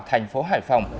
thành phố hải phòng